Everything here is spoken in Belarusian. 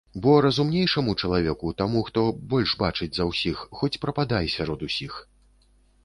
Бо разумнейшаму чалавеку, таму, хто больш бачыць за ўсіх, хоць прападай сярод усіх.